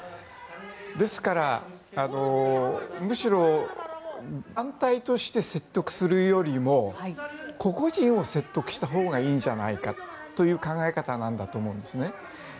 ですから、むしろ団体として説得するよりも個々人を説得したほうがいいんじゃないかという考え方なんだと思うんですね。